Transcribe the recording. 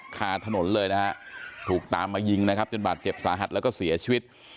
คาถนนเลยนะฮะถูกตามมายิงนะครับจนบาดเจ็บสาหัสแล้วก็เสียชีวิต